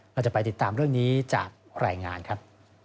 เราจะไปติดตามเรื่องนี้จากรายงานครับ